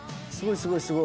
すごいすごい。